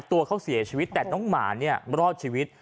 ตัวเขาเสียชีวิตแต่น้องหมาเนี่ยรอดชีวิต